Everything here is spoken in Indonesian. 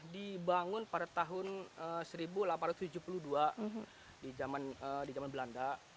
dibangun pada tahun seribu delapan ratus tujuh puluh dua di zaman belanda